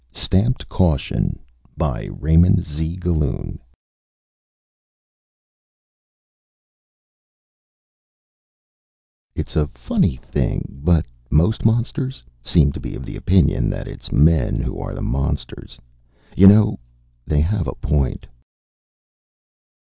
stamped CAUTION By RAYMOND Z. GALLUN Illustrated by KOSSIN _It's a funny thing, but most monsters seem to be of the opinion that it's men who are the monsters. You know, they have a point.